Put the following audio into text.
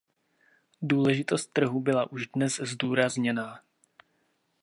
Důležitost trhu byla už dnes zdůrazněná.